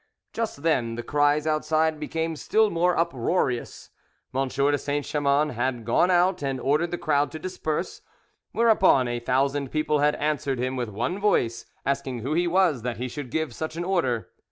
Just then the cries outside became still more uproarious. M. de Saint Chamans had gone out and ordered the crowd to disperse, whereupon a thousand people had answered him with one voice, asking who he was that he should give such an order.